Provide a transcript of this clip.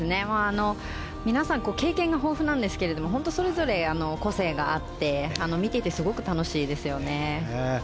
皆さん経験が豊富なんですがそれぞれ個性があって見ていてすごく楽しいですよね。